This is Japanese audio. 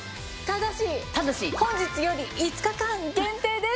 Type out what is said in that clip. ただし本日より５日間限定です。